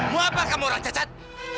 mau apa kamu orang cacat